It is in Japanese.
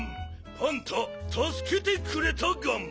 パンタたすけてくれたガン。